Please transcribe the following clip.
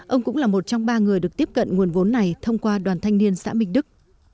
ông cũng là một trong ba người được tiếp cận nguồn vốn này thông qua đoàn thanh niên xã minh đức